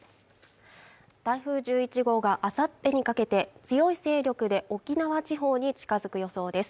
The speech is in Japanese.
台風１１号があさってにかけて強い勢力で沖縄地方に近づく予想です